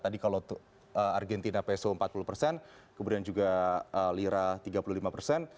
tadi kalau argentina peso empat puluh persen kemudian juga lira tiga puluh lima persen